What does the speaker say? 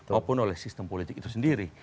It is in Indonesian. maupun oleh sistem politik itu sendiri